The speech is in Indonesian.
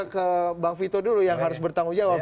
ke bang vito dulu yang harus bertanggung jawab